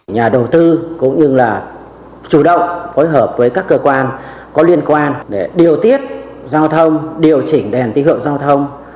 nhà đầu tư cũng như là chủ động phối hợp với các cơ quan có liên quan để điều tiết giao thông điều chỉnh đèn tín hiệu giao thông